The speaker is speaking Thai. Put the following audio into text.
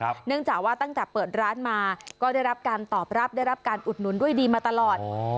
เนื่องจากว่าตั้งแต่เปิดร้านมาก็ได้รับการตอบรับได้รับการอุดหนุนด้วยดีมาตลอด